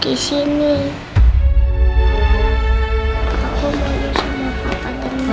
aku mau disini papa teman